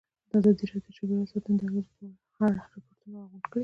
ازادي راډیو د چاپیریال ساتنه د اغېزو په اړه ریپوټونه راغونډ کړي.